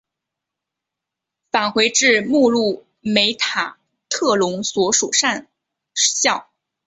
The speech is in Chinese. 返回至目录梅塔特隆所属上校。